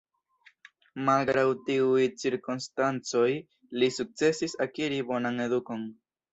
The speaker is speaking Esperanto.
Malgraŭ tiuj cirkonstancoj, li sukcesis akiri bonan edukon.